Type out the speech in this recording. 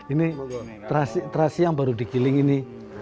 ini terasi yang baru digiling ini